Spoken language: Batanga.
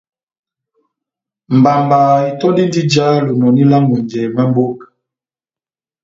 Mbamba itöndindi ijá lonòni lá n'ŋwɛnjɛ mwa mboka.